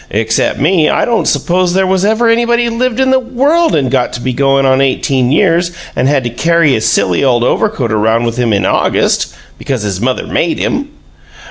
Except me, I don't suppose there was ever anybody lived in the world and got to be going on eighteen years old and had to carry his silly old overcoat around with him in August because his mother made him!"